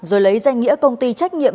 rồi lấy danh nghĩa công ty trách nhiệm